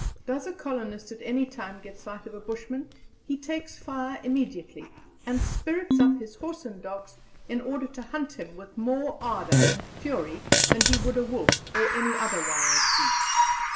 Does a Colonist at any time get sight of a Bushman, he takes fire immediately, and spirits up his horse and dogs, in order to hunt him with more ardour and fury than he would a wolf or any other wild beast.".